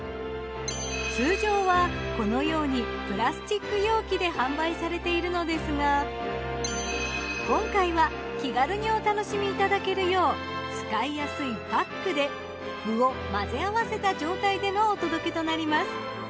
通常はこのようにプラスチック容器で販売されているのですが今回は気軽にお楽しみいただけるよう使いやすいパックで具を混ぜ合わせた状態でのお届けとなります。